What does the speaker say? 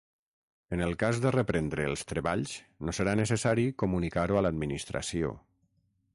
En el cas de reprendre els treballs no serà necessari comunicar-ho a l'Administració.